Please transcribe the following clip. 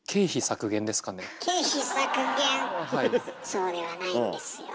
そうではないんですよ。